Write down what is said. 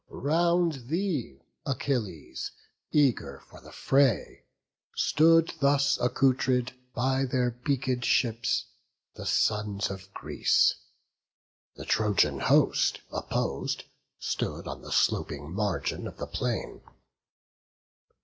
BOOK XX. Round thee, Achilles, eager for the fray, Stood thus accoutred, by their beaked ships, The sons of Greece; the Trojan host, oppos'd, Stood on the sloping margin of the plain.